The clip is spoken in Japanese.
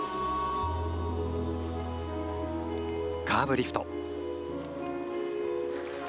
カーブリフト。